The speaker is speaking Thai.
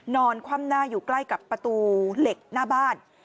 คว่ำหน้าอยู่ใกล้กับประตูเหล็กหน้าบ้าน